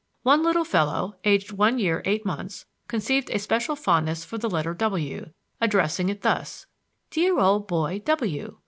"One little fellow, aged one year eight months, conceived a special fondness for the letter W, addressing it thus: 'Dear old boy W.'